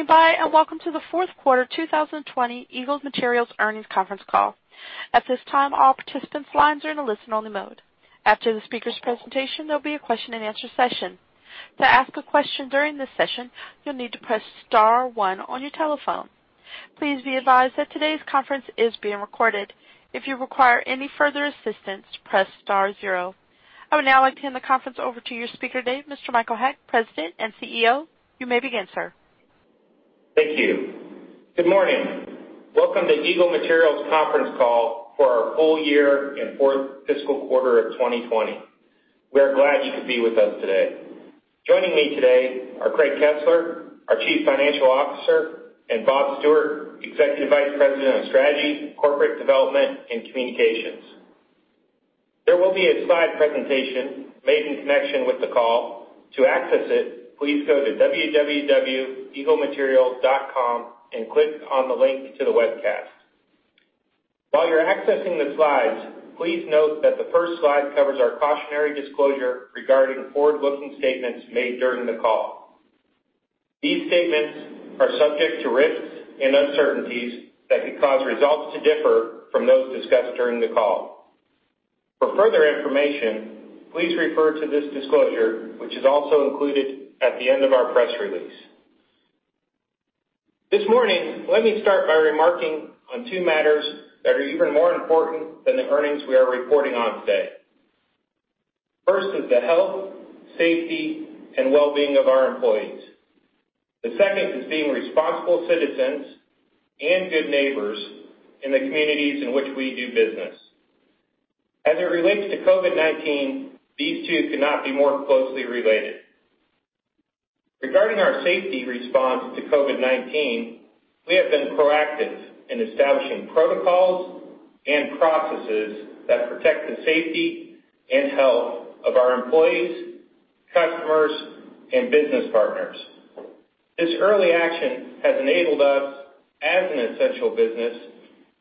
Goodbye, and welcome to the fourth quarter 2020 Eagle Materials earnings conference call. At this time, all participants' lines are in a listen-only mode. After the speakers' presentation, there'll be a question and answer session. To ask a question during this session, you'll need to press star one on your telephone. Please be advised that today's conference is being recorded. If you require any further assistance, press star zero. I would now like to hand the conference over to your speaker today, Mr. Michael Haack, President and CEO. You may begin, sir. Thank you. Good morning. Welcome to Eagle Materials conference call for our full year in fourth fiscal quarter of 2020. We are glad you could be with us today. Joining me today are Craig Kesler, our Chief Financial Officer, and Bob Stewart, Executive Vice President on Strategy, Corporate Development, and Communications. There will be a slide presentation made in connection with the call. To access it, please go to www.eaglematerials.com and click on the link to the webcast. While you're accessing the slides, please note that the first slide covers our cautionary disclosure regarding forward-looking statements made during the call. These statements are subject to risks and uncertainties that could cause results to differ from those discussed during the call. For further information, please refer to this disclosure, which is also included at the end of our press release. This morning, let me start by remarking on two matters that are even more important than the earnings we are reporting on today. First is the health, safety, and well-being of our employees. The second is being responsible citizens and good neighbors in the communities in which we do business. As it relates to COVID-19, these two could not be more closely related. Regarding our safety response to COVID-19, we have been proactive in establishing protocols and processes that protect the safety and health of our employees, customers, and business partners. This early action has enabled us, as an essential business,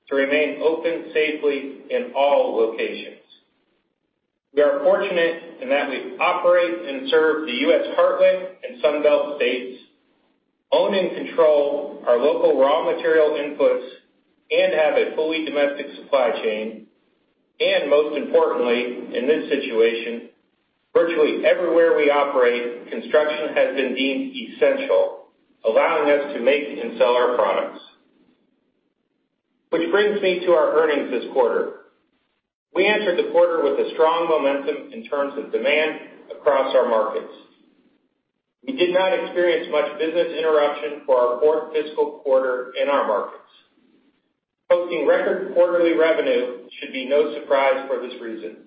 to remain open safely in all locations. We are fortunate in that we operate and serve the U.S. Heartland and Sun Belt states, own and control our local raw material inputs, and have a fully domestic supply chain. Most importantly, in this situation, virtually everywhere we operate, construction has been deemed essential, allowing us to make and sell our products. Which brings me to our earnings this quarter. We entered the quarter with a strong momentum in terms of demand across our markets. We did not experience much business interruption for our fourth fiscal quarter in our markets. Posting record quarterly revenue should be no surprise for this reason.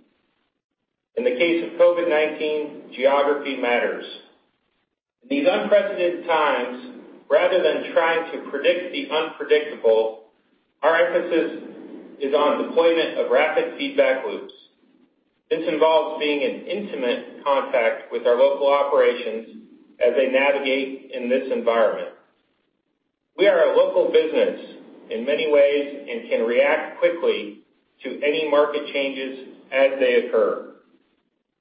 In the case of COVID-19, geography matters. In these unprecedented times, rather than trying to predict the unpredictable, our emphasis is on deployment of rapid feedback loops. This involves being in intimate contact with our local operations as they navigate in this environment. We are a local business in many ways and can react quickly to any market changes as they occur.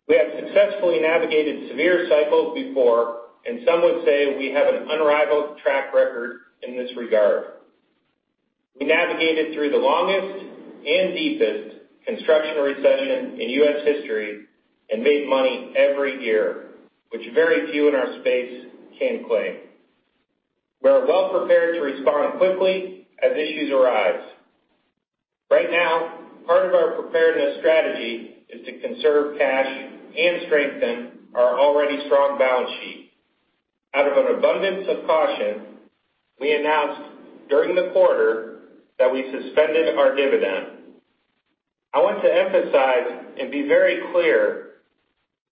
We have successfully navigated severe cycles before, and some would say we have an unrivaled track record in this regard. We navigated through the longest and deepest construction recession in U.S. history and made money every year, which very few in our space can claim. We are well prepared to respond quickly as issues arise. Right now, part of our preparedness strategy is to conserve cash and strengthen our already strong balance sheet. Out of an abundance of caution, we announced during the quarter that we suspended our dividend. I want to emphasize and be very clear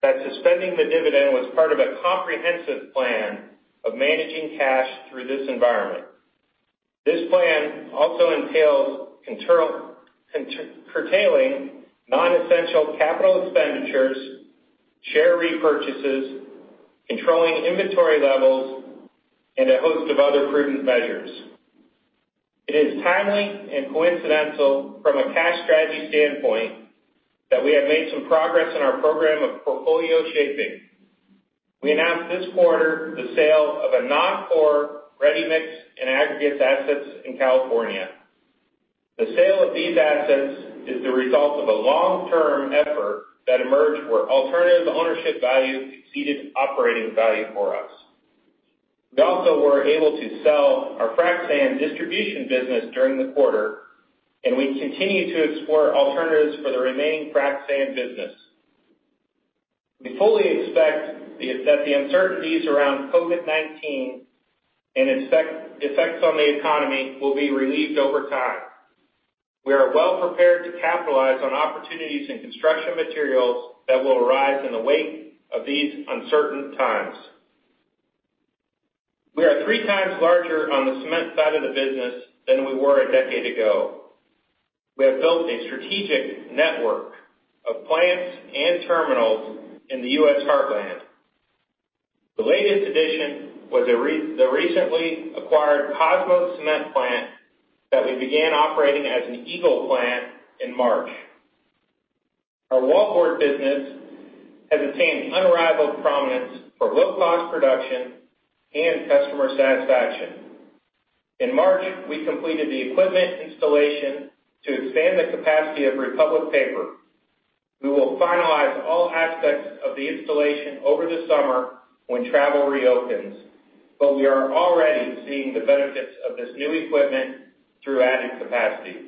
that suspending the dividend was part of a comprehensive plan of managing cash through this environment. This plan also entails curtailing non-essential capital expenditures, share repurchases, controlling inventory levels, and a host of other prudent measures. It is timely and coincidental from a cash strategy standpoint that we have made some progress in our program of portfolio shaping. We announced this quarter the sale of a non-core ready-mix and aggregates assets in California. The sale of these assets is the result of a long-term effort that emerged where alternative ownership value exceeded operating value for us. We also were able to sell our frac sand distribution business during the quarter, and we continue to explore alternatives for the remaining frac sand business. We fully expect that the uncertainties around COVID-19 and effects on the economy will be relieved over time. We are well prepared to capitalize on opportunities in construction materials that will arise in the wake of these uncertain times. We are three times larger on the cement side of the business than we were a decade ago. We have built a strategic network of plants and terminals in the U.S. Heartland. The latest addition was the recently acquired Kosmos Cement plant that we began operating as an Eagle plant in March. Our wallboard business has attained unrivaled prominence for low-cost production and customer satisfaction. In March, we completed the equipment installation to expand the capacity of Republic Paper. We will finalize all aspects of the installation over the summer when travel reopens, but we are already seeing the benefits of this new equipment through added capacity.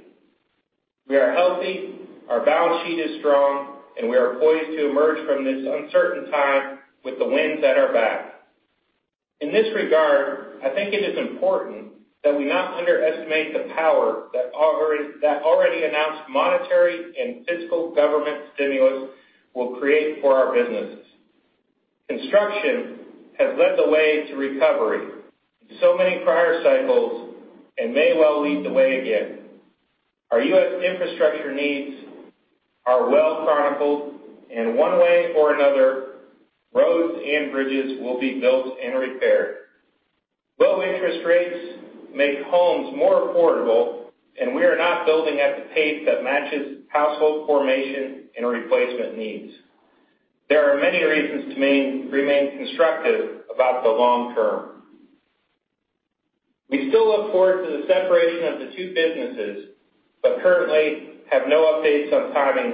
We are healthy, our balance sheet is strong, and we are poised to emerge from this uncertain time with the winds at our back. In this regard, I think it is important that we not underestimate the power that already announced monetary and fiscal government stimulus will create for our businesses. Construction has led the way to recovery in so many prior cycles and may well lead the way again. Our U.S. infrastructure needs are well chronicled, one way or another, roads and bridges will be built and repaired. Low interest rates make homes more affordable, we are not building at the pace that matches household formation and replacement needs. There are many reasons to remain constructive about the long term. We still look forward to the separation of the two businesses, currently have no updates on timing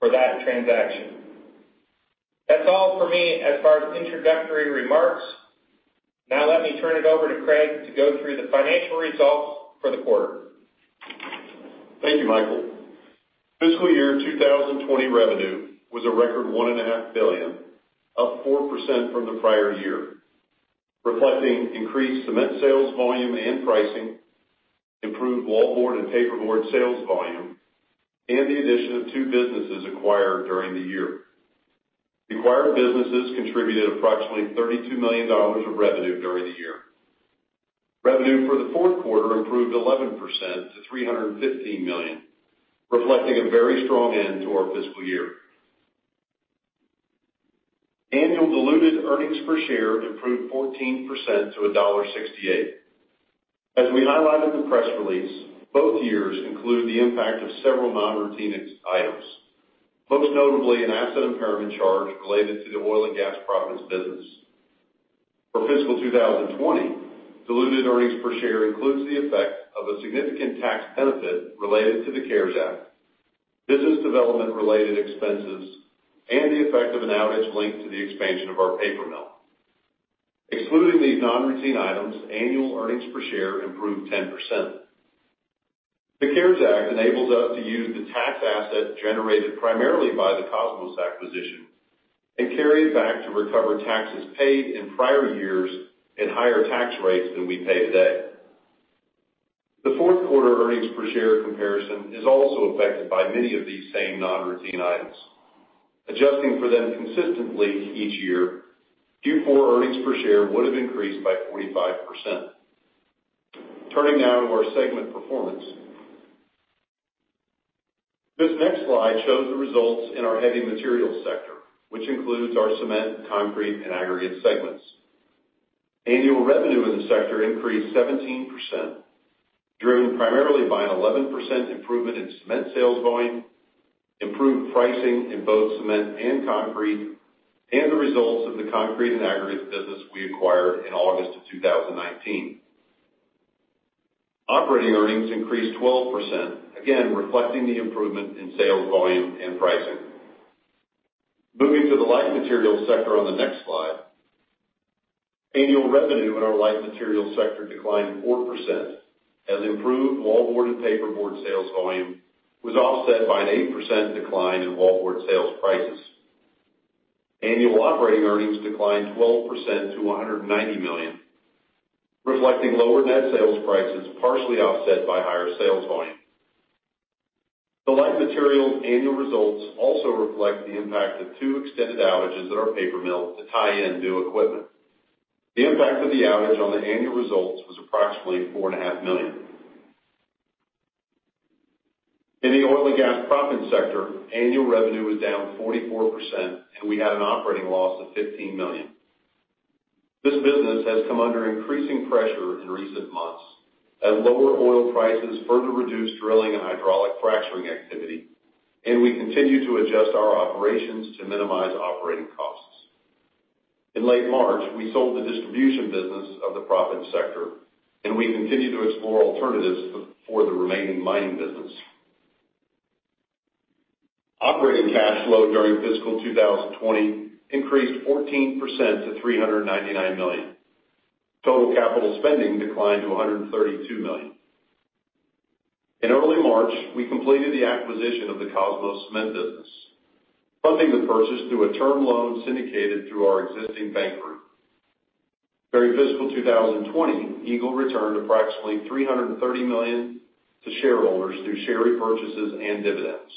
for that transaction. That's all for me as far as introductory remarks. Let me turn it over to Craig to go through the financial results for the quarter. Thank you, Michael. Fiscal year 2020 revenue was a record $1.5 billion, up 4% from the prior year, reflecting increased cement sales volume and pricing, improved wallboard and paperboard sales volume, and the addition of two businesses acquired during the year. Acquired businesses contributed approximately $32 million of revenue during the year. Revenue for the fourth quarter improved 11% to $315 million, reflecting a very strong end to our fiscal year. Annual diluted earnings per share improved 14% to $1.68. As we highlighted the press release, both years include the impact of several non-routine items, most notably an asset impairment charge related to the oil and gas proppants business. For fiscal 2020, diluted earnings per share includes the effect of a significant tax benefit related to the CARES Act, business development related expenses, and the effect of an outage linked to the expansion of our paper mill. Excluding these non-routine items, annual earnings per share improved 10%. The CARES Act enables us to use the tax asset generated primarily by the Kosmos acquisition and carry it back to recover taxes paid in prior years at higher tax rates than we pay today. The fourth quarter earnings per share comparison is also affected by many of these same non-routine items. Adjusting for them consistently each year, Q4 earnings per share would have increased by 45%. Turning now to our segment performance. This next slide shows the results in our heavy materials sector, which includes our cement, concrete, and aggregates segments. Annual revenue in the sector increased 17%, driven primarily by an 11% improvement in cement sales volume, improved pricing in both cement and concrete, and the results of the concrete and aggregates business we acquired in August of 2019. Operating earnings increased 12%, again, reflecting the improvement in sales volume and pricing. Moving to the Light Materials sector on the next slide. Annual revenue in our Light Materials sector declined 4% as improved wallboard and paperboard sales volume was offset by an 8% decline in wallboard sales prices. Annual operating earnings declined 12% to $190 million, reflecting lower net sales prices, partially offset by higher sales volume. The Light Materials annual results also reflect the impact of two extended outages at our paper mill to tie in new equipment. The impact of the outage on the annual results was approximately $4.5 million. In the Oil and Gas Proppants sector, annual revenue was down 44%, and we had an operating loss of $15 million. This business has come under increasing pressure in recent months as lower oil prices further reduce drilling and hydraulic fracturing activity, and we continue to adjust our operations to minimize operating costs. In late March, we sold the distribution business of the proppants sector, and we continue to explore alternatives for the remaining mining business. Operating cash flow during fiscal 2020 increased 14% to $399 million. Total capital spending declined to $132 million. In early March, we completed the acquisition of the Kosmos Cement business, funding the purchase through a term loan syndicated through our existing bank group. During fiscal 2020, Eagle returned approximately $330 million to shareholders through share repurchases and dividends.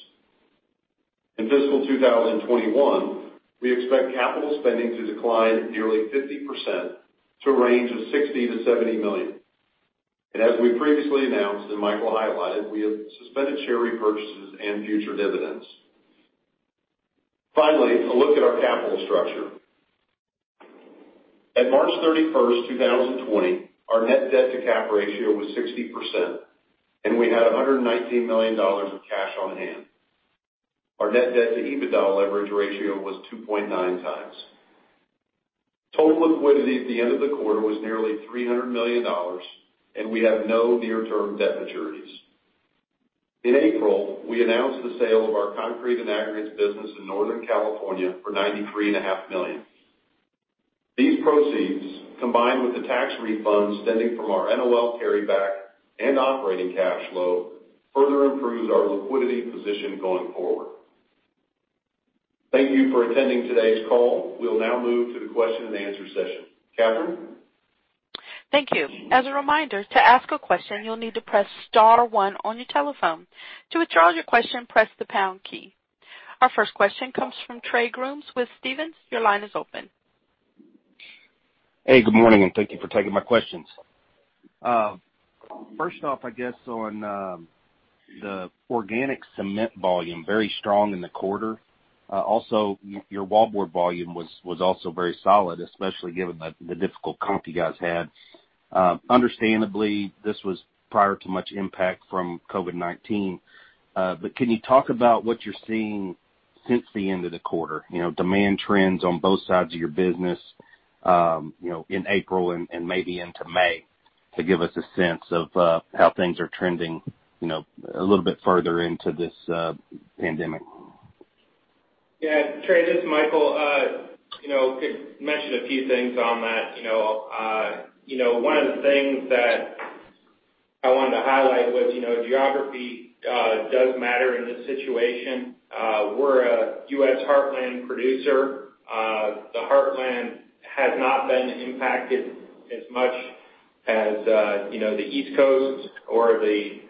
In fiscal 2021, we expect capital spending to decline nearly 50% to a range of $60 million-$70 million. As we previously announced and Michael highlighted, we have suspended share repurchases and future dividends. Finally, a look at our capital structure. At March 31st, 2020, our net debt to cap ratio was 60%, and we had $119 million of cash on hand. Our net debt to EBITDA leverage ratio was 2.9 times. Total liquidity at the end of the quarter was nearly $300 million, and we have no near-term debt maturities. In April, we announced the sale of our concrete and aggregates business in Northern California for $93.5 million. These proceeds, combined with the tax refunds pending from our NOL carryback and operating cash flow, further improved our liquidity position going forward. Thank you for attending today's call. We'll now move to the question and answer session. Catherine? Thank you. As a reminder, to ask a question, you'll need to press *1 on your telephone. To withdraw your question, press the # key. Our first question comes from Trey Grooms with Stephens. Your line is open. Hey, good morning, thank you for taking my questions. First off, I guess on the organic cement volume, very strong in the quarter. Your wallboard volume was also very solid, especially given the difficult comp you guys had. Understandably, this was prior to much impact from COVID-19. Can you talk about what you're seeing since the end of the quarter? Demand trends on both sides of your business, in April and maybe into May, to give us a sense of how things are trending, a little bit further into this pandemic. Yeah. Trey, this is Michael. Could mention a few things on that. One of the things that I wanted to highlight was geography does matter in this situation. We're a U.S. heartland producer. The heartland has not been impacted as much as the East Coast or the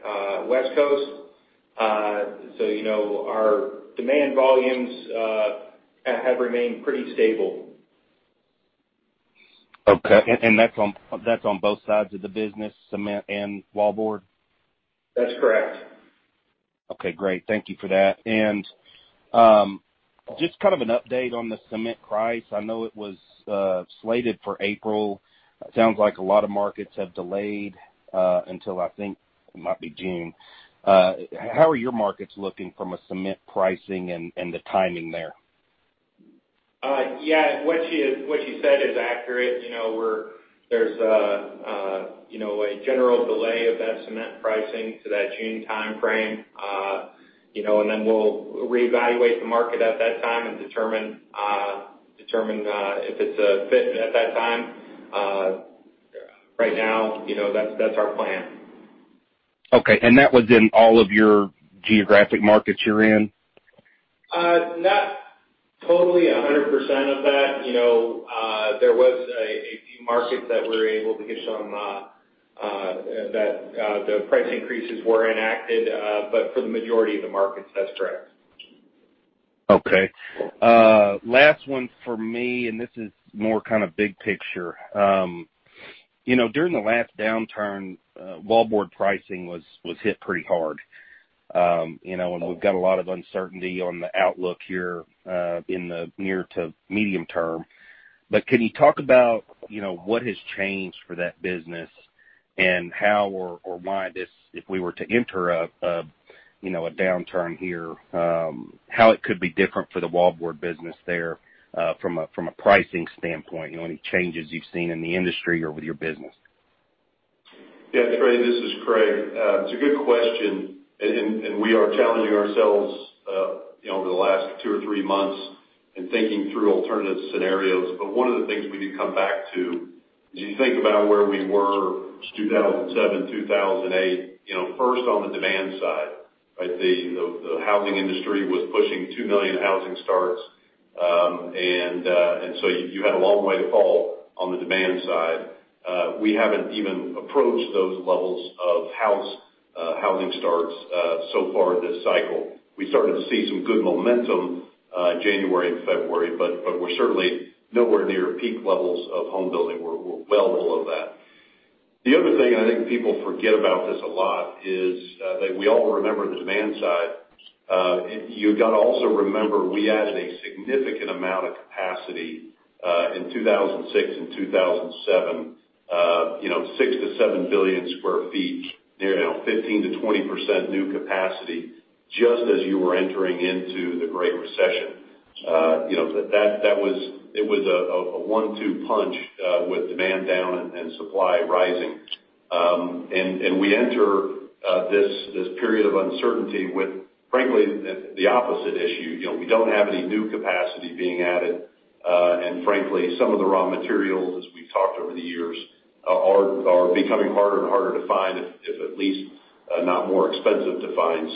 West Coast. Our demand volumes have remained pretty stable. Okay. That's on both sides of the business, cement and wallboard? That's correct. Okay, great. Thank you for that. Just an update on the cement price. I know it was slated for April. It sounds like a lot of markets have delayed, until, I think, it might be June. How are your markets looking from a cement pricing and the timing there? Yeah, what you said is accurate. There's a general delay of that cement pricing to that June timeframe. We'll reevaluate the market at that time and determine if it's a fit at that time. Right now, that's our plan. Okay, that was in all of your geographic markets you're in? Not totally 100% of that. There was a few markets that we were able to get That the price increases were enacted. For the majority of the markets, that's correct. Okay. Last one for me, this is more big picture. During the last downturn, wallboard pricing was hit pretty hard. We've got a lot of uncertainty on the outlook here, in the near to medium term. Can you talk about what has changed for that business and how or why this, if we were to enter a downturn here, how it could be different for the wallboard business there, from a pricing standpoint? Any changes you've seen in the industry or with your business? Yeah, Trey, this is Craig. It's a good question, and we are challenging ourselves over the last two or three months and thinking through alternative scenarios. One of the things we do come back to is you think about where we were, 2007, 2008, first on the demand side, right? The housing industry was pushing two million housing starts. You had a long way to fall on the demand side. We haven't even approached those levels of housing starts so far this cycle. We started to see some good momentum, January and February, but we're certainly nowhere near peak levels of homebuilding. We're well below that. The other thing, I think, people forget about this a lot, is that we all remember the demand side. You've got to also remember, we added a significant amount of capacity, in 2006 and 2007. 6 to 7 billion sq ft, near 15%-20% new capacity just as you were entering into the Great Recession. It was a one-two punch, with demand down and supply rising. We enter this period of uncertainty with, frankly, the opposite issue. We don't have any new capacity being added. Frankly, some of the raw materials, as we've talked over the years, are becoming harder and harder to find, if at least not more expensive to find.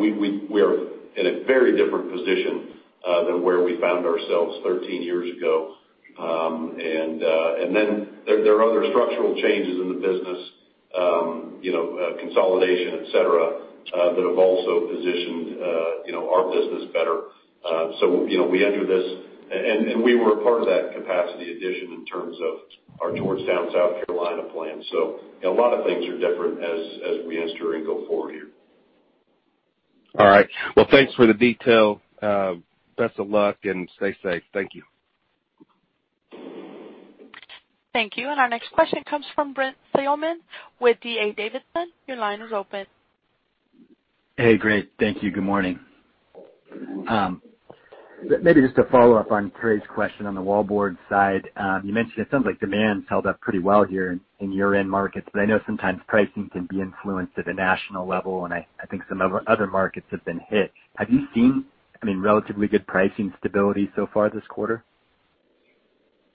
We are in a very different position than where we found ourselves 13 years ago. There are other structural changes in the business, consolidation, et cetera, that have also positioned our business better. We were a part of that capacity addition in terms of our Georgetown, South Carolina plant. A lot of things are different as we enter and go forward here. All right. Well, thanks for the detail. Best of luck and stay safe. Thank you. Thank you. Our next question comes from Brent Thielman with D.A. Davidson. Your line is open. Hey, great. Thank you. Good morning. Maybe just to follow up on Trey's question on the wallboards side. You mentioned it sounds like demand's held up pretty well here in your end markets, I know sometimes pricing can be influenced at a national level, and I think some other markets have been hit. Have you seen relatively good pricing stability so far this quarter? Yeah,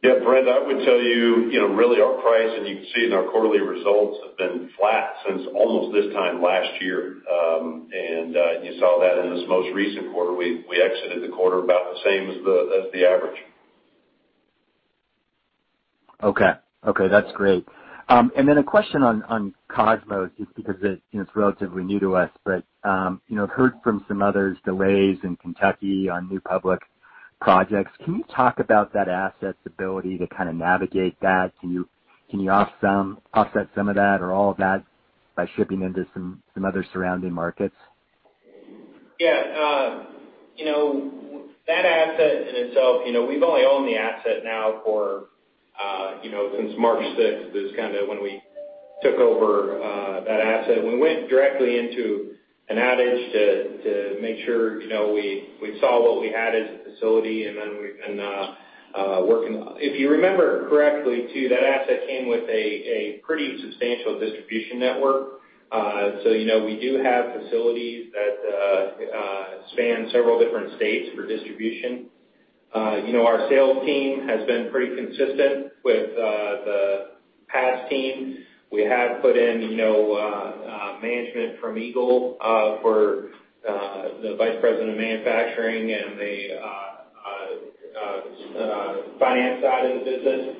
Brent, I would tell you, really our price, and you can see in our quarterly results, have been flat since almost this time last year. You saw that in this most recent quarter. We exited the quarter about the same as the average. Okay. That's great. Then a question on Kosmos, just because it's relatively new to us, but I've heard from some others delays in Kentucky on new public projects. Can you talk about that asset's ability to kind of navigate that? Can you offset some of that or all of that by shipping into some other surrounding markets? Yeah. That asset in itself, we've only owned the asset now since March 6th, is kind of when we took over that asset. We went directly into an outage to make sure we saw what we had as a facility. If you remember correctly, too, that asset came with a pretty substantial distribution network. We do have facilities that span several different states for distribution. Our sales team has been pretty consistent with the past team. We have put in management from Eagle for the Vice President of manufacturing and the finance side of the business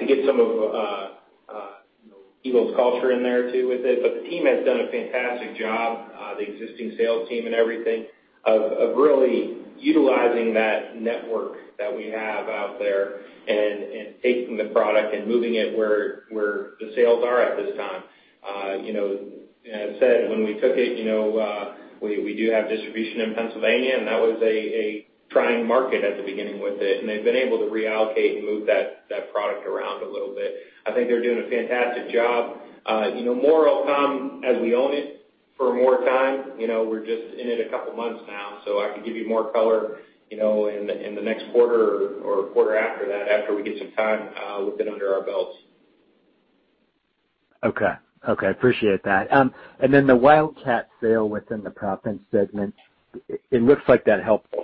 to get some of Eagle's culture in there too with it. The team has done a fantastic job, the existing sales team and everything, of really utilizing that network that we have out there and taking the product and moving it where the sales are at this time. As I said, when we took it, we do have distribution in Pennsylvania, and that was a trying market at the beginning with it, and they've been able to reallocate and move that product around a little bit. I think they're doing a fantastic job. More will come as we own it for more time. We're just in it a couple of months now, so I could give you more color in the next quarter or quarter after that, after we get some time with it under our belts. Okay. Appreciate that. Then the Wildcat sale within the proppants segment, it looks like that helped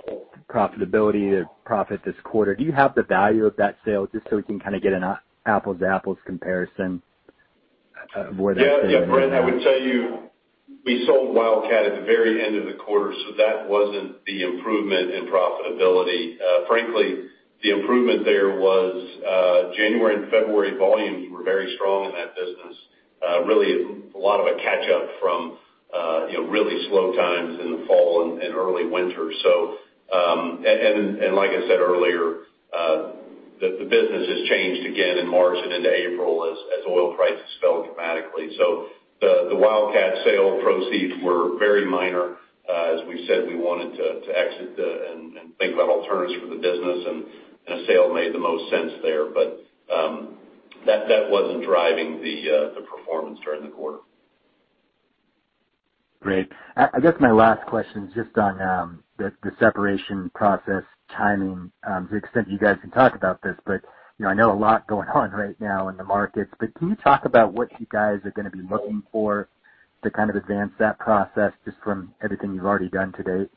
profitability or profit this quarter. Do you have the value of that sale, just so we can kind of get an apples to apples comparison of where that sale went? Yeah, Brent, I would tell you, we sold Wildcat at the very end of the quarter. That wasn't the improvement in profitability. Frankly, the improvement there was January and February volumes were very strong in that business. Really a lot of a catch up from really slow times in the fall and early winter. Like I said earlier, the business has changed again in March and into April as oil prices fell dramatically. The Wildcat sale proceeds were very minor. As we said, we wanted to exit and think about alternatives for the business. A sale made the most sense there. That wasn't driving the performance during the quarter. Great. I guess my last question is just on the separation process timing, to the extent you guys can talk about this, but I know a lot going on right now in the markets, but can you talk about what you guys are going to be looking for to kind of advance that process just from everything you've already done to date?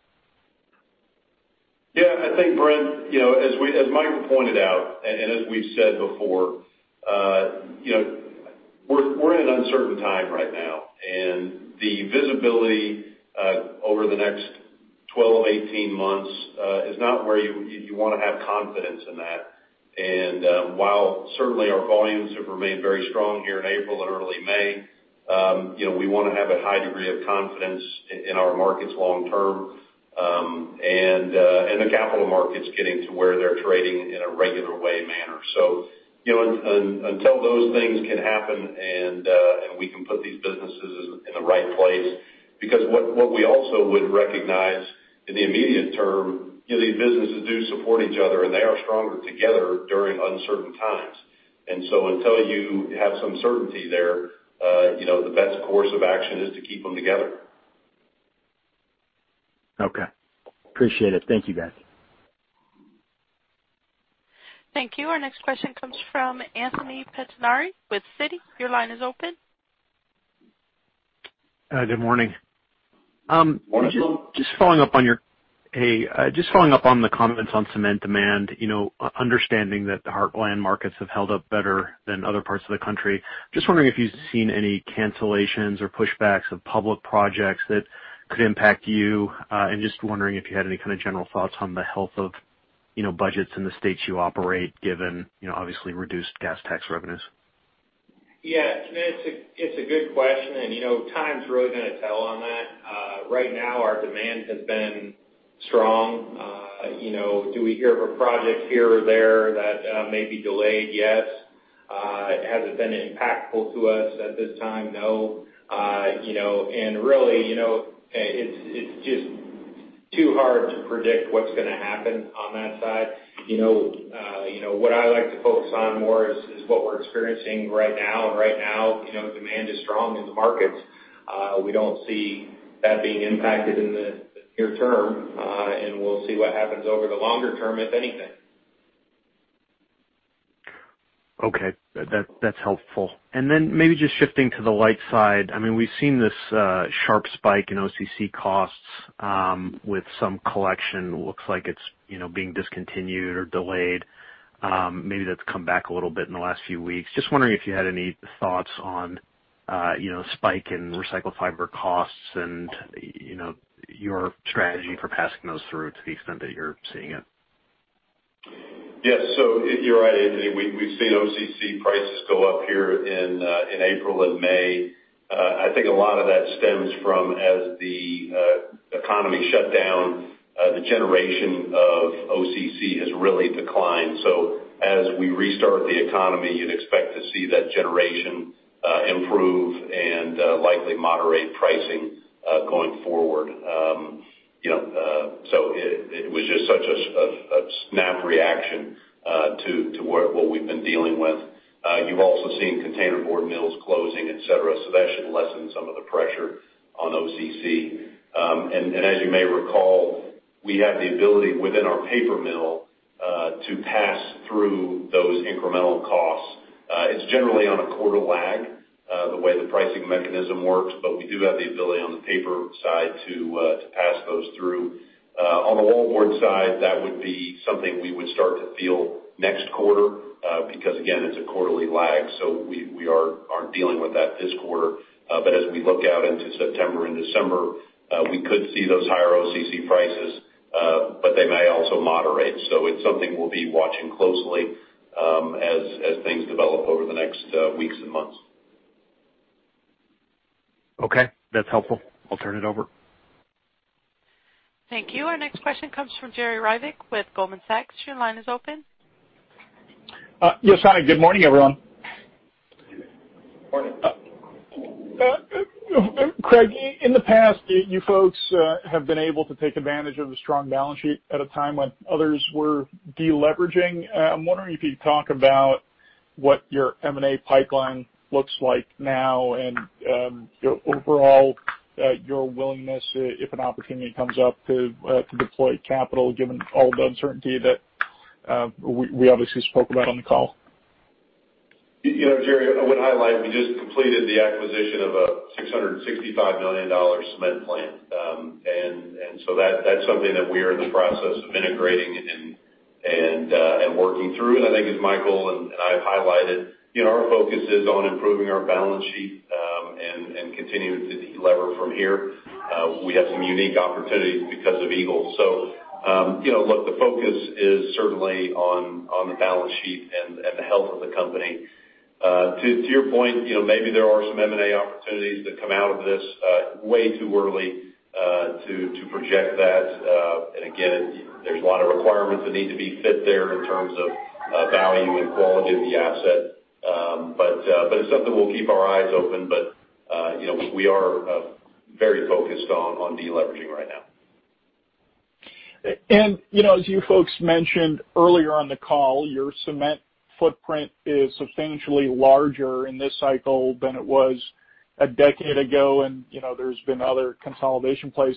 Yeah, I think, Brent, as Michael pointed out, and as we've said before, we're in an uncertain time right now, and the visibility over the next 12, 18 months is not where you want to have confidence in that. While certainly our volumes have remained very strong here in April and early May, we want to have a high degree of confidence in our markets long term, and the capital markets getting to where they're trading in a regular way manner. Until those things can happen and we can put these businesses in the right place, because what we also would recognize in the immediate term, these businesses do support each other, and they are stronger together during uncertain times. Until you have some certainty there, the best course of action is to keep them together. Okay. Appreciate it. Thank you, guys. Thank you. Our next question comes from Anthony Pettinari with Citi. Your line is open. Good morning. Morning. Hey. Just following up on the comments on cement demand, understanding that the Heartland markets have held up better than other parts of the country. Just wondering if you've seen any cancellations or pushbacks of public projects that could impact you. Just wondering if you had any kind of general thoughts on the health of budgets in the states you operate, given obviously reduced gas tax revenues. Yeah, it's a good question. Time's really going to tell on that. Right now, our demand has been strong. Do we hear of a project here or there that may be delayed? Yes. Has it been impactful to us at this time? No. Really, it's just too hard to predict what's going to happen on that side. What I like to focus on more is what we're experiencing right now. Right now, demand is strong in the markets. We don't see that being impacted in the near term. We'll see what happens over the longer term, if anything. Okay. That's helpful. Maybe just shifting to the light side, we've seen this sharp spike in OCC costs with some collection. Looks like it's being discontinued or delayed. Maybe that's come back a little bit in the last few weeks. Just wondering if you had any thoughts on spike in recycled fiber costs and your strategy for passing those through to the extent that you're seeing it. Yes. You're right, Anthony. We've seen OCC prices go up here in April and May. I think a lot of that stems from as the economy shut down, the generation of OCC has really declined. As we restart the economy, you'd expect to see that generation improve and likely moderate pricing going forward. It was just such a snap reaction to what we've been dealing with. You've also seen container board mills closing, et cetera, so that should lessen some of the pressure on OCC. As you may recall, we have the ability within our paper mill to pass through those incremental costs. It's generally on a quarter lag, the way the pricing mechanism works, but we do have the ability on the paper side to pass those through. On the wallboard side, that would be something we would start to feel next quarter, because again, it's a quarterly lag, so we aren't dealing with that this quarter. As we look out into September and December, we could see those higher OCC prices, but they may also moderate. It's something we'll be watching closely, as things develop over the next weeks and months. Okay. That's helpful. I'll turn it over. Thank you. Our next question comes from Jerry Revich with Goldman Sachs. Your line is open. Yes, honey. Good morning, everyone. Morning. Craig, in the past, you folks have been able to take advantage of the strong balance sheet at a time when others were de-leveraging. I'm wondering if you'd talk about what your M&A pipeline looks like now and, overall, your willingness, if an opportunity comes up, to deploy capital, given all the uncertainty that we obviously spoke about on the call. Jerry, I would highlight, we just completed the acquisition of a $665 million cement plant. That's something that we are in the process of integrating and working through. I think as Michael and I have highlighted, our focus is on improving our balance sheet, and continuing to delever from here. We have some unique opportunities because of Eagle. Look, the focus is certainly on the balance sheet and the health of the company. To your point, maybe there are some M&A opportunities that come out of this. Way too early to project that. Again, there's a lot of requirements that need to be fit there in terms of value and quality of the asset. It's something we'll keep our eyes open, but we are very focused on de-leveraging right now. As you folks mentioned earlier on the call, your cement footprint is substantially larger in this cycle than it was a decade ago, and there's been other consolidation plays.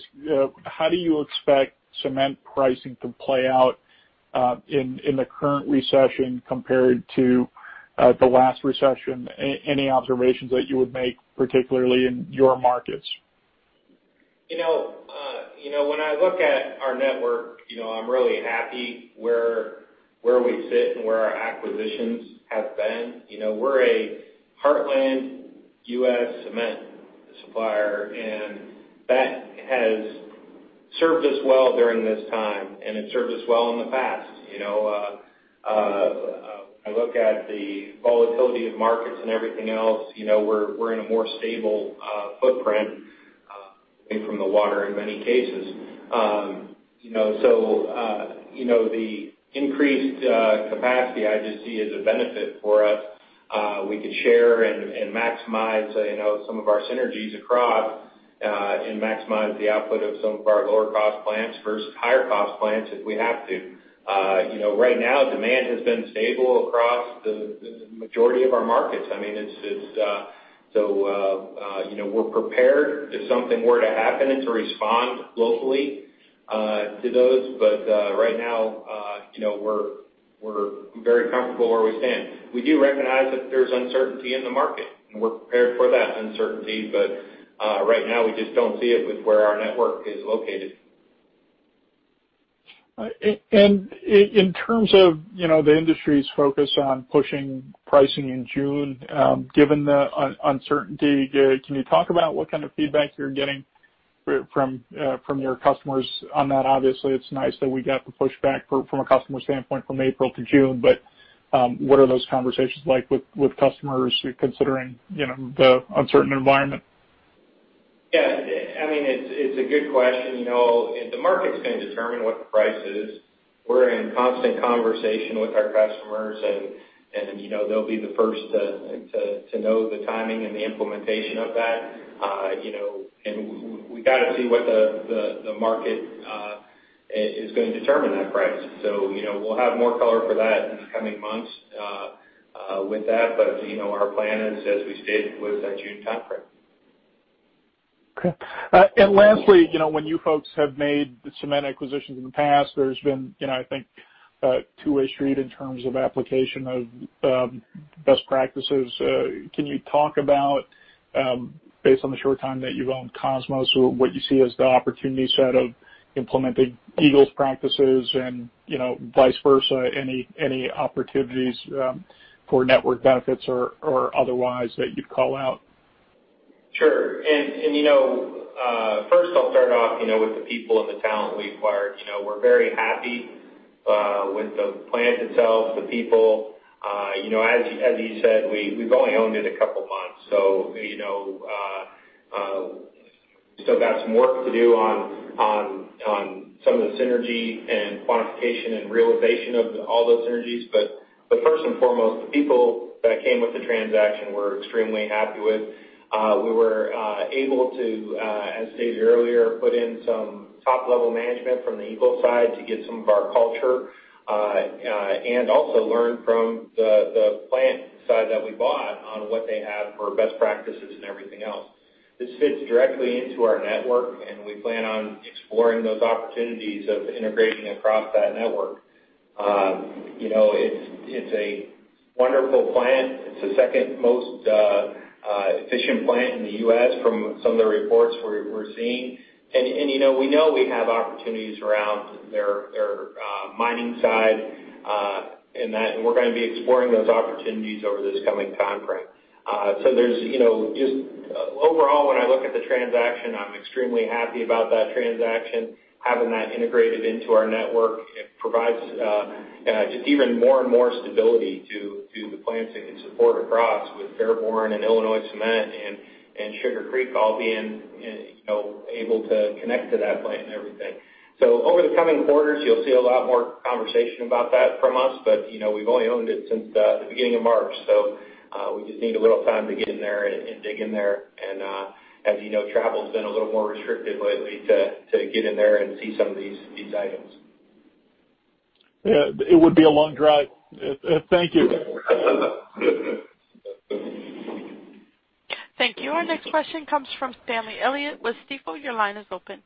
How do you expect cement pricing to play out in the current recession compared to the last recession? Any observations that you would make, particularly in your markets? When I look at our network, I'm really happy where we sit and where our acquisitions have been. We're a heartland U.S. cement supplier, and that has served us well during this time, and it served us well in the past. I look at the volatility of markets and everything else, we're in a more stable footprint, I think from the water in many cases. The increased capacity I just see as a benefit for us. We could share and maximize some of our synergies across, and maximize the output of some of our lower cost plants versus higher cost plants if we have to. Right now, demand has been stable across the majority of our markets. We're prepared if something were to happen and to respond locally to those. Right now, we're very comfortable where we stand. We do recognize that there's uncertainty in the market, and we're prepared for that uncertainty. Right now we just don't see it with where our network is located. In terms of the industry's focus on pushing pricing in June, given the uncertainty, can you talk about what kind of feedback you're getting from your customers on that? Obviously it's nice that we got the pushback from a customer standpoint from April to June. What are those conversations like with customers considering the uncertain environment? Yes. It's a good question. The market's going to determine what the price is. We're in constant conversation with our customers, and they'll be the first to know the timing and the implementation of that. We got to see what the market is going to determine that price. We'll have more color for that in the coming months with that. Our plan is, as we stated, was that June timeframe. Okay. Lastly, when you folks have made the cement acquisitions in the past, there's been, I think, a two-way street in terms of application of best practices. Can you talk about, based on the short time that you've owned Kosmos, what you see as the opportunity set of implementing Eagle's practices and vice versa, any opportunities for network benefits or otherwise that you'd call out? Sure. First I'll start off with the people and the talent we acquired. We're very happy with the plant itself, the people. As you said, we've only owned it a couple of months, so we still got some work to do on some of the synergy and quantification and realization of all those synergies. First and foremost, the people that came with the transaction we're extremely happy with. We were able to, as stated earlier, put in some top-level management from the Eagle side to get some of our culture, and also learn from the plant side that we bought on what they have for best practices and everything else. This fits directly into our network, and we plan on exploring those opportunities of integrating across that network. It's a wonderful plant. It's the second most efficient plant in the U.S. from some of the reports we're seeing. We know we have opportunities around their mining side, and we're going to be exploring those opportunities over this coming timeframe. Just overall, when I look at the transaction, I'm extremely happy about that transaction, having that integrated into our network. It provides just even more and more stability to the plants it can support across with Fairborn and Illinois Cement and Sugar Creek all being able to connect to that plant and everything. Over the coming quarters, you'll see a lot more conversation about that from us. We've only owned it since the beginning of March, so we just need a little time to get in there and dig in there. As you know, travel's been a little more restricted lately to get in there and see some of these items. Yeah. It would be a long drive. Thank you. Thank you. Our next question comes from Stanley Elliott with Stifel. Your line is open.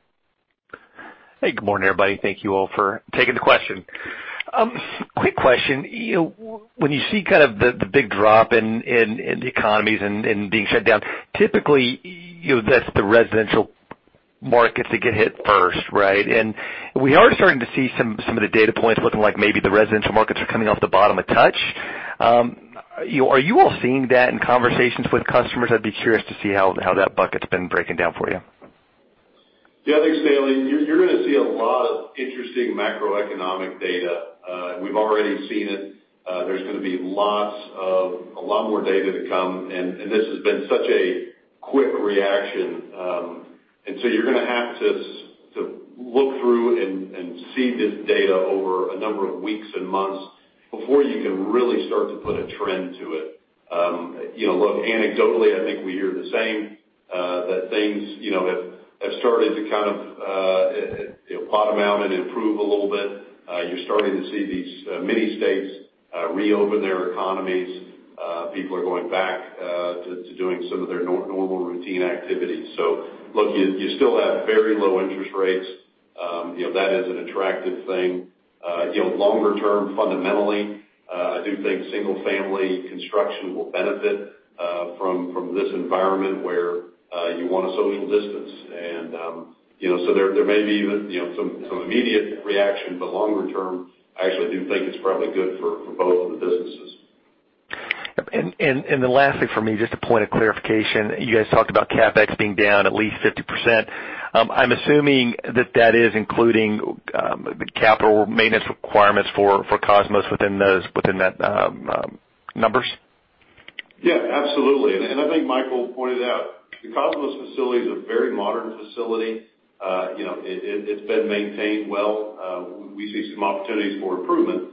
Hey, good morning, everybody. Thank you all for taking the question. Quick question. When you see the big drop in the economies and being shut down, typically, that's the residential markets that get hit first, right? We are starting to see some of the data points looking like maybe the residential markets are coming off the bottom a touch. Are you all seeing that in conversations with customers? I'd be curious to see how that bucket's been breaking down for you. Yeah. Thanks, Stanley. You're going to see a lot of interesting macroeconomic data. We've already seen it. There's going to be a lot more data to come, and this has been such a quick reaction. You're going to have to look through and see this data over a number of weeks and months before you can really start to put a trend to it. Look, anecdotally, I think we hear the same, that things have started to kind of bottom out and improve a little bit. You're starting to see these many states reopen their economies. People are going back to doing some of their normal routine activities. Look, you still have very low interest rates. That is an attractive thing. Longer term, fundamentally, I do think single-family construction will benefit from this environment where you want to social distance. There may be even some immediate reaction. Longer term, I actually do think it's probably good for both of the businesses. Lastly for me, just a point of clarification. You guys talked about CapEx being down at least 50%. I'm assuming that that is including the capital maintenance requirements for Kosmos within that number. Yeah, absolutely. I think Michael pointed out, the Kosmos facility is a very modern facility. It's been maintained well. We see some opportunities for improvement.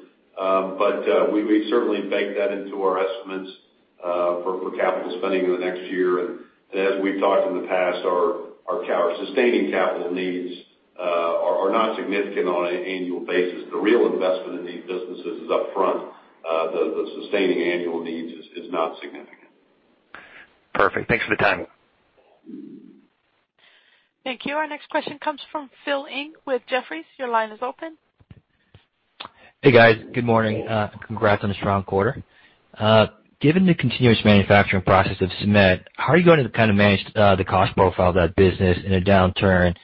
We certainly baked that into our estimates for capital spending in the next year. As we've talked in the past, our sustaining capital needs are not significant on an annual basis. The real investment in these businesses is upfront. The sustaining annual needs is not significant. Perfect. Thanks for the time. Thank you. Our next question comes from Philip Ng with Jefferies. Your line is open. Hey, guys. Good morning. Congrats on a strong quarter. Given the continuous manufacturing process of cement, how are you going to manage the cost profile of that business in a downturn?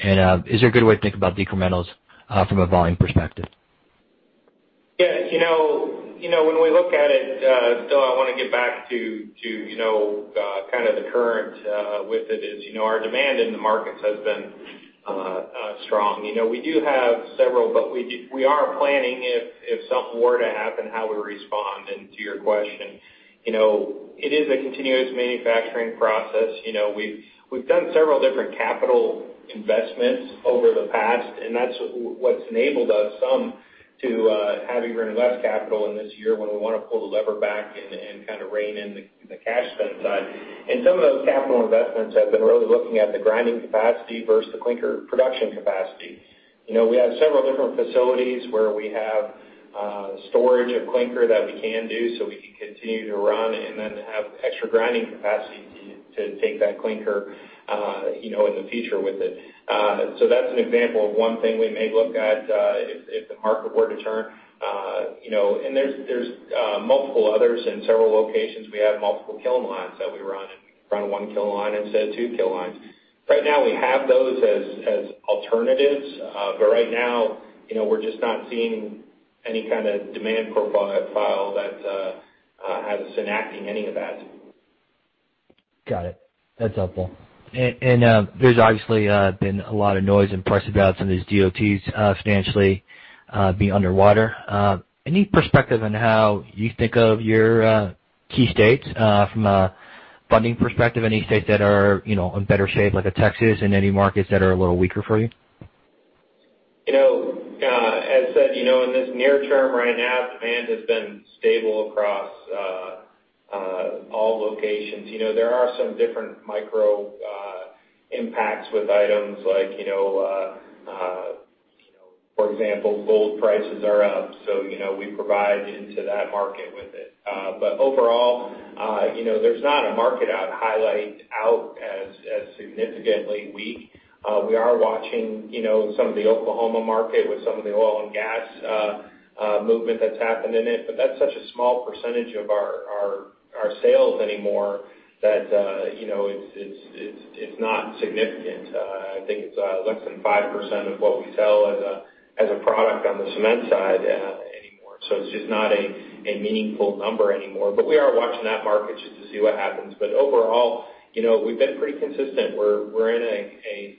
Is there a good way to think about decrementals from a volume perspective? Yeah. When we look at it, Phil, I want to get back to the current with it is, our demand in the markets has been strong. We do have several, but we are planning if something were to happen, how we respond. To your question, it is a continuous manufacturing process. We've done several different capital investments over the past, and that's what's enabled us some to having run less capital in this year when we want to pull the lever back and kind of rein in the cash spend side. Some of those capital investments have been really looking at the grinding capacity versus the clinker production capacity. We have several different facilities where we have storage of clinker that we can do, so we can continue to run and then have extra grinding capacity to take that clinker in the future with it. That's an example of one thing we may look at, if the market were to turn. There's multiple others in several locations. We have multiple kiln lines that we run, and we can run one kiln line instead of two kiln lines. Right now, we have those as alternatives. Right now, we're just not seeing any kind of demand profile that has us enacting any of that. Got it. That's helpful. There's obviously been a lot of noise in the press about some of these DOTs financially being underwater. Any perspective on how you think of your key states from a funding perspective? Any states that are in better shape, like a Texas, and any markets that are a little weaker for you? As said, in this near term right now, demand has been stable across all locations. There are some different micro impacts with items like, for example, gold prices are up. We provide into that market with it. Overall, there's not a market I'd highlight out as significantly weak. We are watching some of the Oklahoma market with some of the oil and gas movement that's happened in it. That's such a small percentage of our sales anymore that it's not significant. I think it's less than 5% of what we sell as a product on the cement side anymore. It's just not a meaningful number anymore. We are watching that market just to see what happens. Overall, we've been pretty consistent. We're in a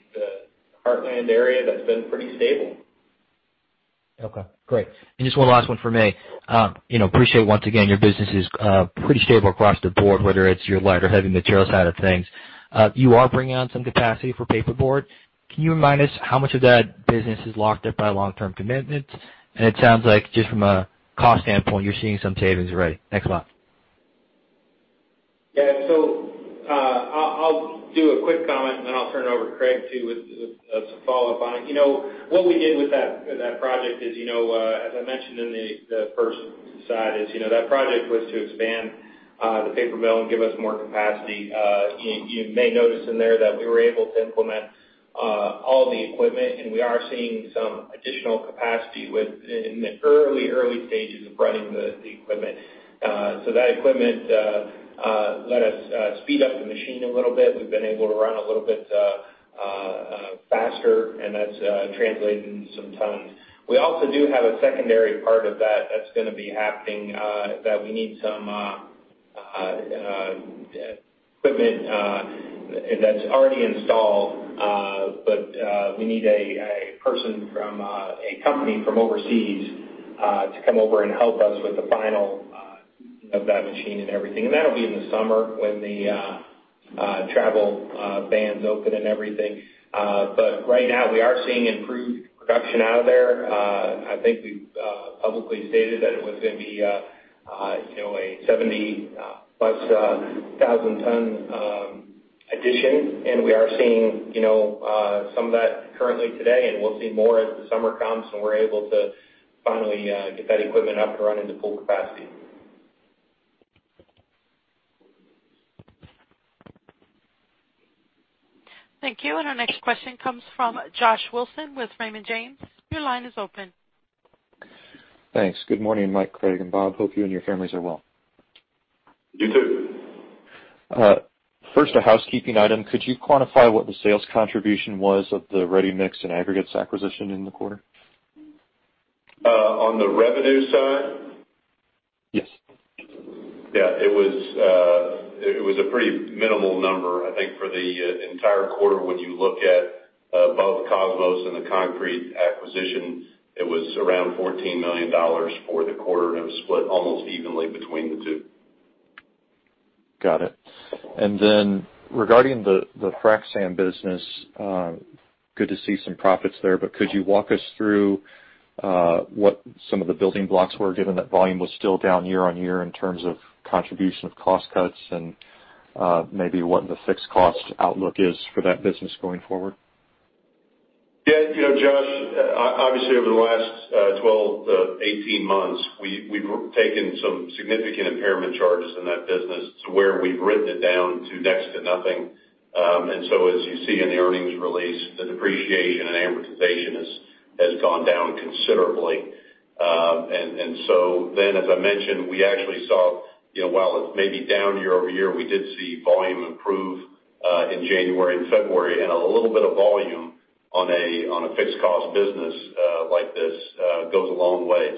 heartland area that's been pretty stable. Okay, great. Just one last one from me. Appreciate once again, your business is pretty stable across the board, whether it's your light or heavy material side of things. You are bringing on some capacity for paperboard. Can you remind us how much of that business is locked up by long-term commitments? It sounds like just from a cost standpoint, you're seeing some savings already. Thanks a lot. I'll do a quick comment, and then I'll turn it over to Craig, too, with some follow-up on it. What we did with that project is, as I mentioned in the first slide, is that project was to expand the paper mill and give us more capacity. You may notice in there that we were able to implement all the equipment, and we are seeing some additional capacity in the early stages of running the equipment. That equipment let us speed up the machine a little bit. We've been able to run a little bit faster, and that's translating some tons. We also do have a secondary part of that that's going to be happening, that we need some equipment that's already installed. We need a person from a company from overseas to come over and help us with the final of that machine and everything. That'll be in the summer when the travel bans open and everything. Right now, we are seeing improved production out of there. I think we've publicly stated that it was going to be a 70-plus thousand ton addition, and we are seeing some of that currently today, and we'll see more as the summer comes, and we're able to finally get that equipment up and running to full capacity. Thank you. Our next question comes from Joshua Wilson with Raymond James. Your line is open. Thanks. Good morning, Mike, Craig, and Bob. Hope you and your families are well. You, too. First, a housekeeping item. Could you quantify what the sales contribution was of the ready-mix and aggregates acquisition in the quarter? On the revenue side? Yes. Yeah, it was a pretty minimal number. I think for the entire quarter, when you look at both Kosmos and the concrete acquisition, it was around $14 million for the quarter, and it was split almost evenly between the two. Got it. Regarding the frac sand business, good to see some profits there, but could you walk us through what some of the building blocks were, given that volume was still down year-over-year in terms of contribution of cost cuts and maybe what the fixed cost outlook is for that business going forward? Yeah, Josh, obviously over the last 12 to 18 months, we've taken some significant impairment charges in that business to where we've written it down to next to nothing. As you see in the earnings release, the depreciation and amortization has gone down considerably. As I mentioned, we actually saw, while it may be down year-over-year, we did see volume improve in January and February, a little bit of volume on a fixed cost business like this goes a long way.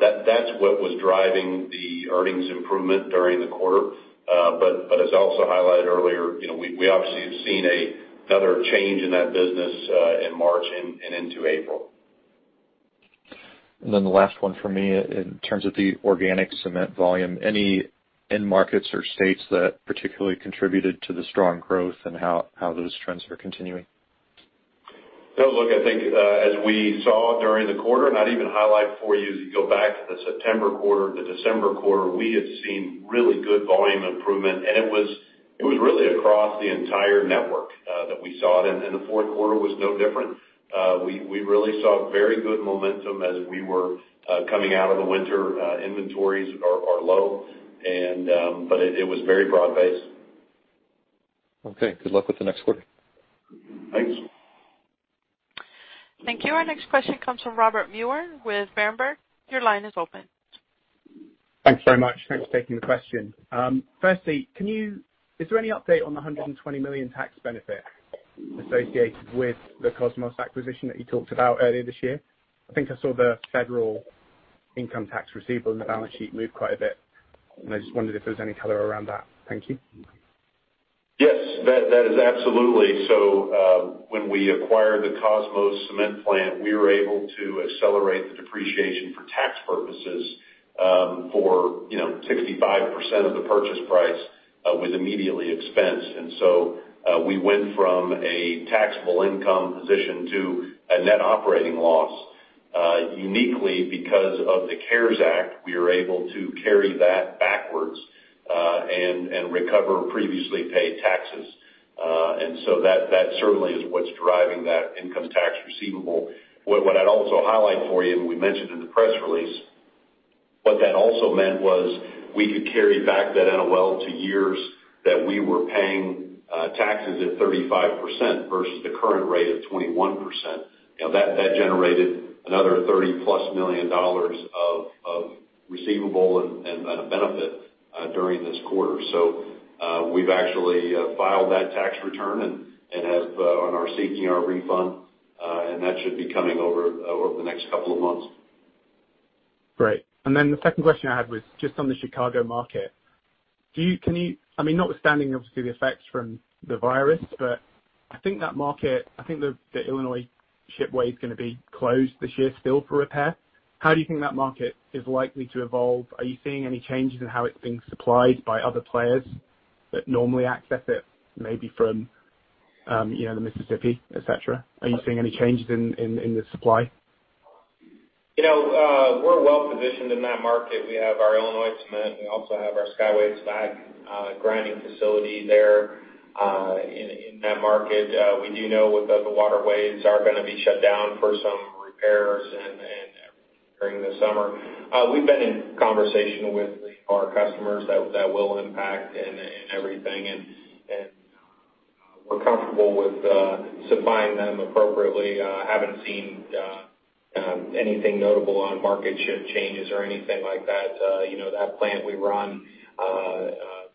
That's what was driving the earnings improvement during the quarter. As I also highlighted earlier, we obviously have seen another change in that business in March and into April. The last one from me. In terms of the organic cement volume, any end markets or states that particularly contributed to the strong growth and how those trends are continuing? Look, I think as we saw during the quarter, I'd even highlight for you, as you go back to the September quarter, the December quarter, we had seen really good volume improvement. It was really across the entire network that we saw it in, and the fourth quarter was no different. We really saw very good momentum as we were coming out of the winter. Inventories are low, but it was very broad-based. Okay. Good luck with the next quarter. Thanks. Thank you. Our next question comes from Robert Muir with Berenberg. Your line is open. Thanks very much. Thanks for taking the question. Firstly, is there any update on the $120 million tax benefit associated with the Kosmos acquisition that you talked about earlier this year? I think I saw the federal income tax receivable and the balance sheet move quite a bit, and I just wondered if there was any color around that. Thank you. Yes, that is absolutely. When we acquired the Kosmos Cement plant, we were able to accelerate the depreciation for tax purposes for 65% of the purchase price was immediately expensed. We went from a taxable income position to a net operating loss. Uniquely, because of the CARES Act, we were able to carry that backwards and recover previously paid taxes. That certainly is what's driving that income tax receivable. What I'd also highlight for you, and we mentioned in the press release, what that also meant was we could carry back that NOL to years that we were paying taxes at 35% versus the current rate of 21%. That generated another $30-plus million of receivable and a benefit during this quarter. We've actually filed that tax return and are seeking our refund, and that should be coming over the next couple of months. Great. The second question I had was just on the Chicago market. notwithstanding, obviously, the effects from the virus, but I think the Illinois Waterway is going to be closed this year still for repair. How do you think that market is likely to evolve? Are you seeing any changes in how it's being supplied by other players that normally access it, maybe from the Mississippi, et cetera? Are you seeing any changes in the supply? We're well-positioned in that market. We have our Illinois Cement. We also have our Skyway slag grinding facility there in that market. We do know that the waterways are going to be shut down for some repairs during the summer. We've been in conversation with our customers that will impact and everything, and we're comfortable with supplying them appropriately. Haven't seen anything notable on market share changes or anything like that. That plant we run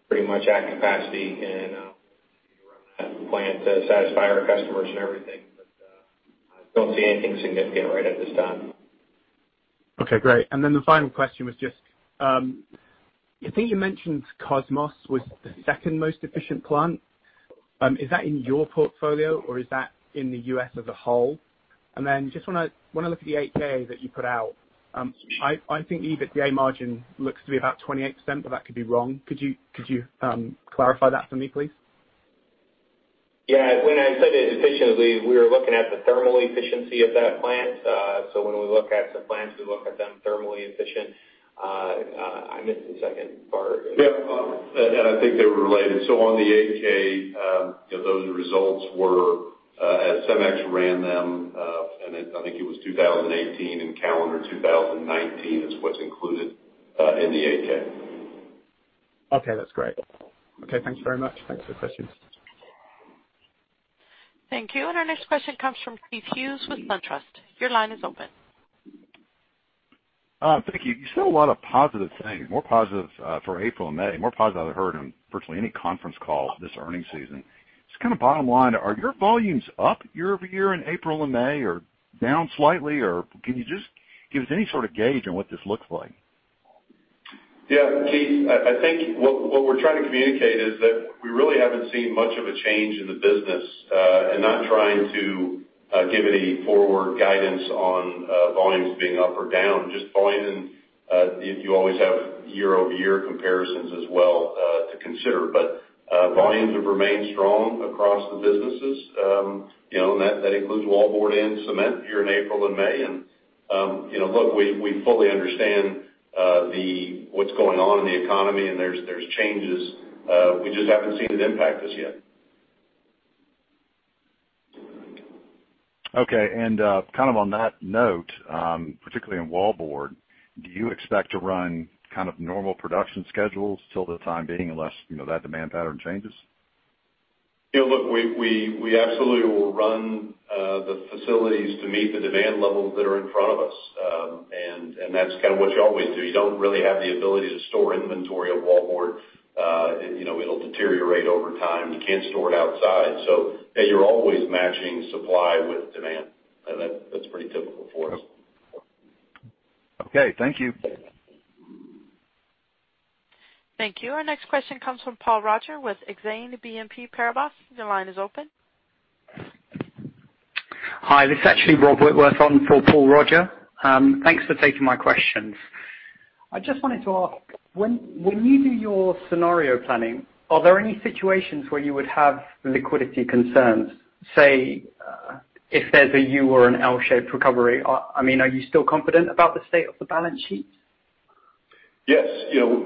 pretty much at capacity and we run that plant to satisfy our customers and everything, but I don't see anything significant right at this time. Okay, great. The final question was just, I think you mentioned Kosmos was the second most efficient plant. Is that in your portfolio or is that in the U.S. as a whole? Just when I look at the 8-K that you put out, I think EBITDA margin looks to be about 28%, but that could be wrong. Could you clarify that for me, please? Yeah. When I said it efficiently, we were looking at the thermal efficiency of that plant. When we look at the plants, we look at them thermally efficient. I missed the second part. Yeah. I think they were related. On the 8-K, those results were as Cemex ran them, and I think it was 2018 and calendar 2019 is what's included in the 8-K. Okay. That's great. Okay, thanks very much. Thanks for the questions. Thank you. Our next question comes from Keith Hughes with SunTrust. Your line is open. Thank you. You said a lot of positive things, more positive for April and May, more positive than I've heard on virtually any conference call this earnings season. Just kind of bottom line, are your volumes up year-over-year in April and May, or down slightly? Can you just give us any sort of gauge on what this looks like? Yeah, Keith, I think what we're trying to communicate is that we really haven't seen much of a change in the business. Not trying to give any forward guidance on volumes being up or down, just volume, and you always have year-over-year comparisons as well to consider. Volumes have remained strong across the businesses. That includes wallboard and cement here in April and May. Look, we fully understand what's going on in the economy, and there's changes. We just haven't seen it impact us yet. Okay. Kind of on that note, particularly in wallboard, do you expect to run kind of normal production schedules till the time being unless that demand pattern changes? Look, we absolutely will run the facilities to meet the demand levels that are in front of us. That's kind of what you always do. You don't really have the ability to store inventory of wallboard. It'll deteriorate over time. You can't store it outside. You're always matching supply with demand. That's pretty typical for us. Okay. Thank you. Thank you. Our next question comes from Paul Roger with Exane BNP Paribas. Your line is open. Hi, this is actually Rob Whitworth on for Paul Roger. Thanks for taking my questions. I just wanted to ask, when you do your scenario planning, are there any situations where you would have liquidity concerns, say, if there's a U or an L-shaped recovery? Are you still confident about the state of the balance sheet? Yes.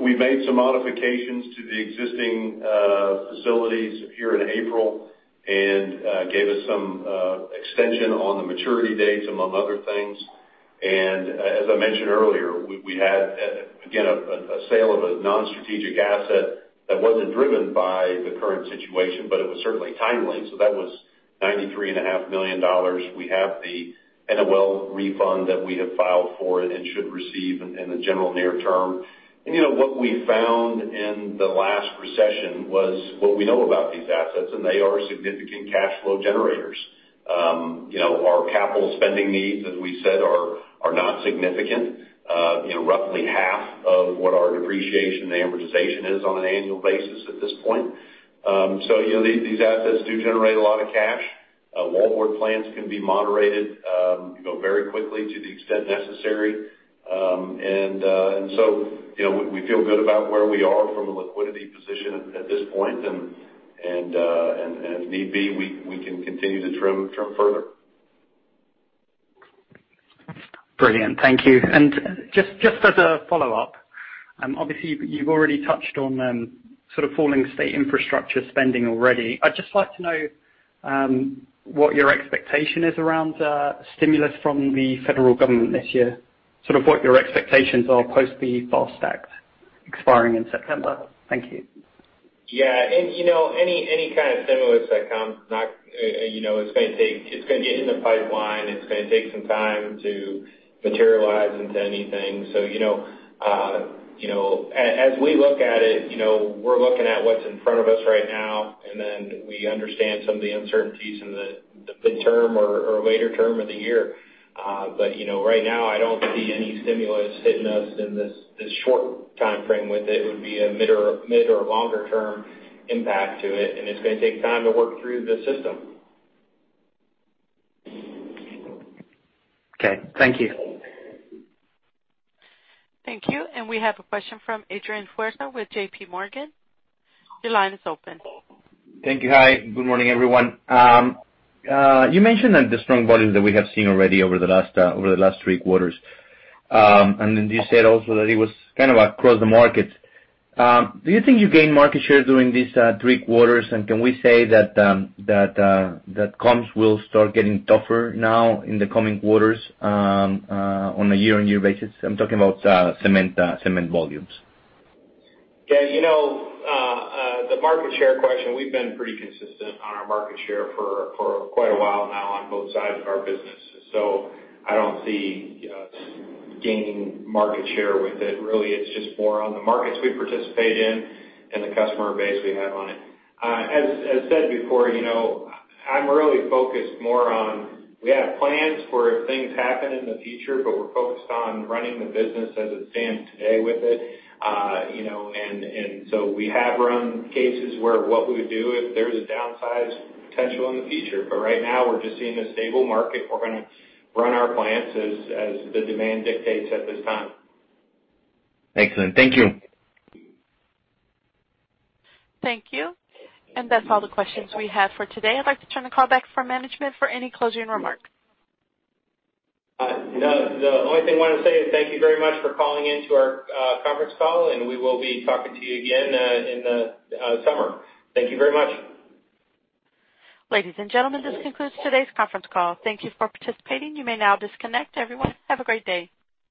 We made some modifications to the existing facilities here in April and gave us some extension on the maturity dates, among other things. As I mentioned earlier, we had, again, a sale of a non-strategic asset that wasn't driven by the current situation, but it was certainly timely. That was $93.5 million. We have the NOL refund that we have filed for and should receive in the general near term. What we found in the last recession was what we know about these assets, and they are significant cash flow generators. Our capital spending needs, as we said, are not significant. Roughly half of what our depreciation and amortization is on an annual basis at this point. These assets do generate a lot of cash. Wallboard plants can be moderated very quickly to the extent necessary. We feel good about where we are from a liquidity position at this point, and if need be, we can continue to trim further. Brilliant. Thank you. Just as a follow-up, obviously, you've already touched on sort of falling state infrastructure spending already. I'd just like to know what your expectation is around stimulus from the federal government this year, sort of what your expectations are post the FAST Act expiring in September. Thank you. Yeah. Any kind of stimulus that comes, it's going to get in the pipeline. It's going to take some time to materialize into anything. As we look at it, we're looking at what's in front of us right now, and then we understand some of the uncertainties in the mid-term or later term of the year. Right now, I don't see any stimulus hitting us in this short timeframe with it. It would be a mid or longer-term impact to it, and it's going to take time to work through the system. Okay. Thank you. Thank you. We have a question from Adrian Huerta with J.P. Morgan. Your line is open. Thank you. Hi, good morning, everyone. You mentioned that the strong volumes that we have seen already over the last three quarters, and then you said also that it was kind of across the markets. Do you think you gained market share during these three quarters? Can we say that comps will start getting tougher now in the coming quarters on a year-on-year basis? I'm talking about cement volumes. Yeah. The market share question, we've been pretty consistent on our market share for quite a while now on both sides of our business. I don't see us gaining market share with it. Really, it's just more on the markets we participate in and the customer base we have on it. As said before, I'm really focused more on, we have plans for if things happen in the future, but we're focused on running the business as it stands today with it. We have run cases where what we would do if there was a downsize potential in the future. Right now, we're just seeing a stable market. We're going to run our plants as the demand dictates at this time. Excellent. Thank you. Thank you. That's all the questions we have for today. I'd like to turn the call back for management for any closing remarks. The only thing I want to say is thank you very much for calling in to our conference call. We will be talking to you again in the summer. Thank you very much. Ladies and gentlemen, this concludes today's conference call. Thank you for participating. You may now disconnect. Everyone, have a great day.